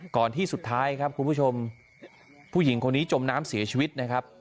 ที่สุดท้ายครับคุณผู้ชมผู้หญิงคนนี้จมน้ำเสียชีวิตนะครับ